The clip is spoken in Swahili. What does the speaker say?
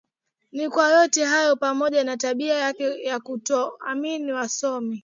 Ni kwa yote hayo pamoja na tabia yake ya kutoamini wasomi